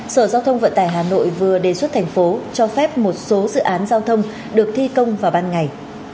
sở giao thông vận tải hà nội vừa đề xuất thành phố cho phép một số dự án giao thông được thi công vào ban ngày